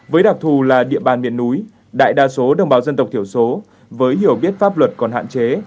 với đặc thù là địa bàn miền núi đại đa số đồng bào dân tộc thiểu số với hiểu biết pháp luật còn hạn chế